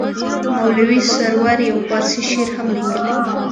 مولوي سرور یو فارسي شعر هم لیکلی.